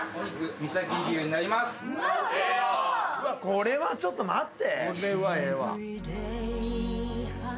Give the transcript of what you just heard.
これはちょっと待って！